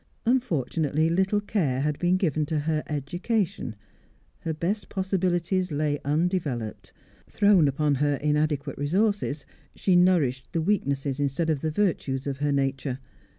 Unfortunately, little care had been given to her education; her best possibilities lay undeveloped; thrown upon her inadequate resources, she nourished the weaknesses instead of the virtues of her nature.